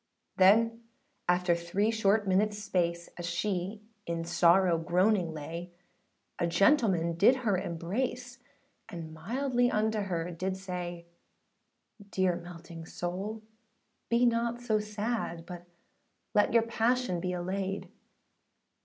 â Then after three short minutesâ space, As she in sorrow groaning lay, A gentleman {108b} did her embrace, And mildly unto her did say, âDear melting soul be not so sad, But let your passion be allayed.